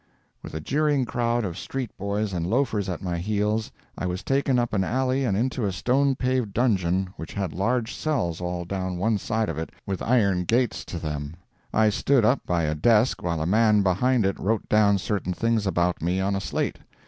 With a jeering crowd of street boys and loafers at my heels, I was taken up an alley and into a stone paved dungeon which had large cells all down one side of it, with iron gates to them. I stood up by a desk while a man behind it wrote down certain things about me on a slate.